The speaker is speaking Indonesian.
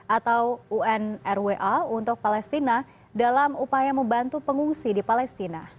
atau unrwa untuk palestina dalam upaya membantu pengungsi di palestina